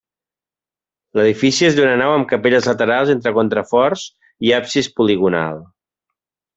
L'edifici és d'una nau amb capelles laterals entre contraforts i absis poligonal.